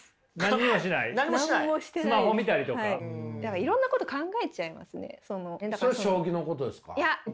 いろんなこと考えちゃいますね。